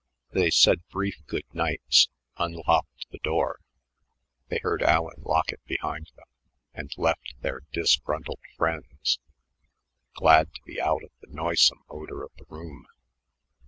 They said brief good nights, unlocked the door they heard Allen lock it behind them and left their disgruntled friends, glad to be out of the noisome odor of the room.